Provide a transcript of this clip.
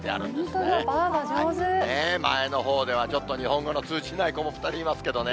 本当だ、ばあば、前のほうでは、ちょっと日本語の通じない子も２人いますけどね。